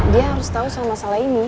dia harus tahu sama masalah ini